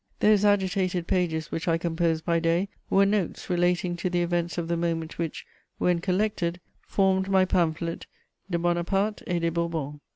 * Those agitated pages which I composed by day were notes relating to the events of the moment which, when collected, formed my pamphlet _De Bonaparte et des Bourbons.